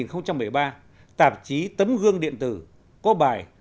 vào tháng một mươi năm hai nghìn một mươi ba tạp chí tấm gương điện tử có bài